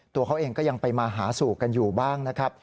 ตัวเขาเองก็ยังไปมาหาสู่กันอยู่บ้างนะครับ